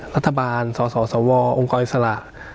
รัฐบาลสสวองค์กรอิสระ